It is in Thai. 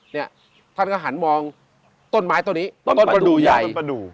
เนี่ยท่านก็หันมองต้นไม้ตรงนี้ต้นประดูกใหญ่